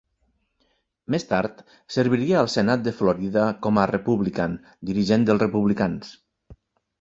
Més tard, serviria al senat de Florida com a Republican dirigent dels republicans.